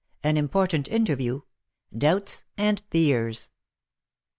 AN IMPORTANT INTERVIEW DOUBTS AND FEARS.